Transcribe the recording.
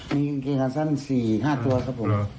มีจริงที่จะสั่น๔๕ตัวครับผม